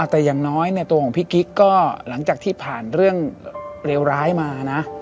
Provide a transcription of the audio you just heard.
แต่อย่างน้อยตัวของพี่กิ๊กก็หลังจากที่ผ่านเรื่องเลวร้ายมานะ